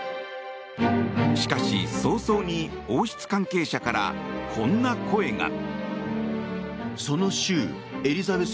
しかし、早々に王室関係者から、こんな声が。